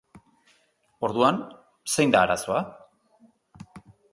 Orduan, zein da arazoa?